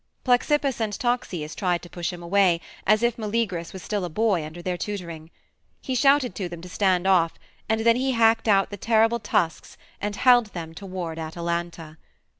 Plexippus and Toxeus tried to push him away, as if Meleagrus was still a boy under their tutoring. He shouted to them to stand off, and then he hacked out the terrible tusks and held them toward Atalanta.